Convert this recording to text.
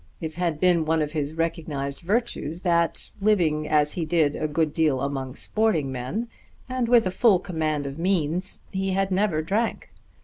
It had been one of his recognised virtues that, living as he did a good deal among sporting men and with a full command of means, he had never drank.